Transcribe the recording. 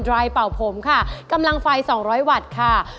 รายเป่าผมค่ะกำลังไฟ๒๐๐วัตต์ค่ะ